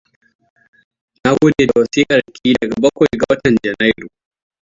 Na gode da wasikarki daga bakwai ga watan Janairu.